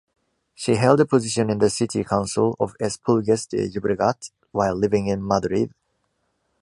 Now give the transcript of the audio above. She held a position in the City Council of Esplugues de Llobregat while living in Madrid.